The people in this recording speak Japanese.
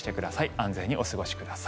安全にお過ごしください。